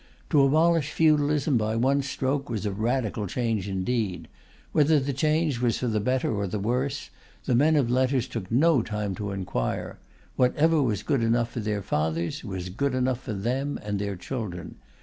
To abolish feudalism by one stroke was a radical change indeed. Whether the change was for the better or the worse, the men of letters took no time to inquire; whatever was good enough for their fathers was good enough for them and their children.